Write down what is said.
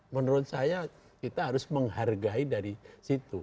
menurut saya kita harus menghargai dari situ